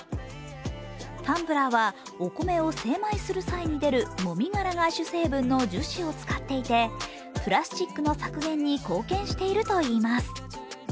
タンブラーは、お米を精米する際に出るもみ殻が主成分の樹脂を使っていてプラスチックの削減に貢献しているといいます。